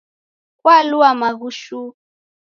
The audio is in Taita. Kwalua maghu shuu.